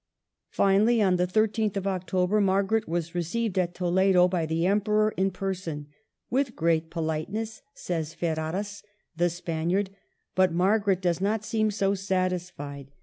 ^ Finally, on the 13th of October Margaret was received at Toledo by the Emperor in person, " with great politeness," says Ferreras, the Span iard ; but Margaret does not seem so satisfied.